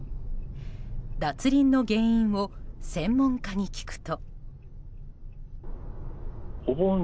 脱輪の原因を専門家に聞くと。